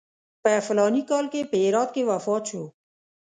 په فلاني کال کې په هرات کې وفات شو.